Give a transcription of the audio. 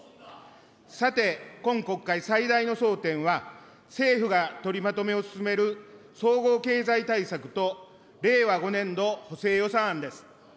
さて、今国会最大の争点は、政府が取りまとめを進める総合経済対策と令和５年度補正予算案です。